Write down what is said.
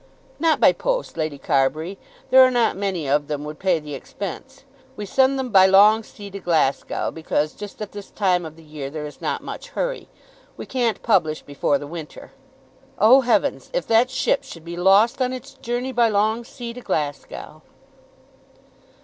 "Not by post, Lady Carbury. There are not many of them would pay the expense. We send them by long sea to Glasgow, because just at this time of the year there is not much hurry. We can't publish before the winter." Oh, heavens! If that ship should be lost on its journey by long sea to Glasgow!